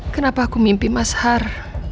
kenapa aku mimpi mas har